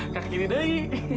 ke kiri dahi